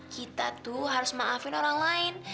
kita tuh harus maafin orang lain